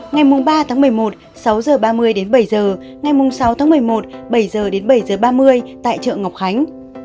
ngày ba một mươi một sáu h ba mươi đến bảy h ngày sáu một mươi một bảy h bảy h ba mươi tại chợ ngọc khánh